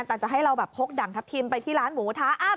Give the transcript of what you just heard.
แต่จะให้เราแบบพกด่างทัพทิมไปที่ร้านหมูทะ